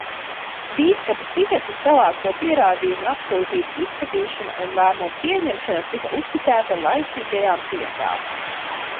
Bīskapu tiesu savākto pierādījumu un apsūdzības izskatīšana un lēmuma pieņemšana tika uzticēta laicīgajām tiesām.